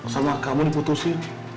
sama kamu diputusin